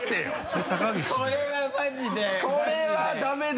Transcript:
これはマジで。